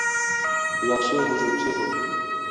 ياخشى ھۇجۇمچى بۇ.